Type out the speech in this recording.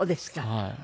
はい。